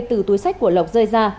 từ túi sách của lộc rơi ra